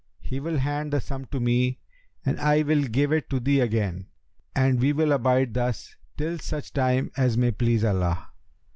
He will hand the sum to me, and I will give it to thee again, and we will abide thus till such time as may please Allah.'